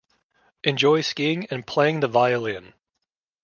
Enjoys skiing and playing the violin.